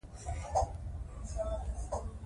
لوستې میندې د ماشوم د ناروغۍ خطر کموي.